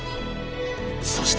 そして。